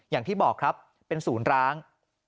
อย่างที่บอกครับเป็นศูนย์ร้าง